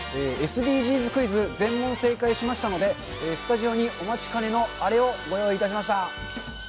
ＳＤＧｓクイズ、全問正解しましたので、スタジオにお待ちかねのあれをご用意いたしました。